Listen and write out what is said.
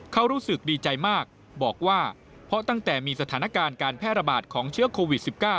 เขารู้สึกดีใจมากบอกว่าเพราะตั้งแต่มีสถานการณ์การแพร่ระบาดของเชื้อโควิด๑๙